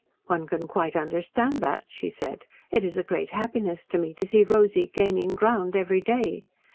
"One can quite understand that," she said. "It is a great happiness to me to see Rosy gaining ground every day.